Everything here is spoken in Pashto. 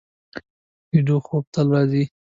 ویده خوب تل راځي